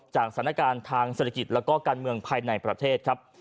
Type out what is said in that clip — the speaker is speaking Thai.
สถานการณ์ทางเศรษฐกิจแล้วก็การเมืองภายในประเทศครับ